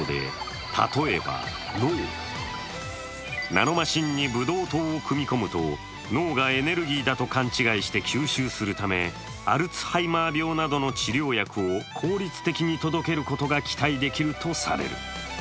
ナノマシンにブドウ糖を組み込むと脳がエネルギーだと勘違いして吸収するためアルツハイマー病などの治療薬を効率的に届けることが期待できるとされる。